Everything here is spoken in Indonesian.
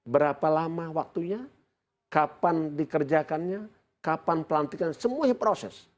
berapa lama waktunya kapan dikerjakannya kapan pelantikan semuanya proses